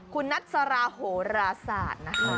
คุณนัสราโหราศาสตร์นะคะ